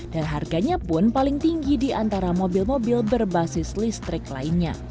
dan harganya pun paling tinggi di antara mobil mobil berbasis listrik lainnya